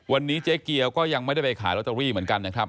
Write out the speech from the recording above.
วันนี้เจ๊เกียวก็ยังไม่ได้ไปขายลอตเตอรี่เหมือนกันนะครับ